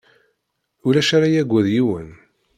Ulac ara yagad yiwen.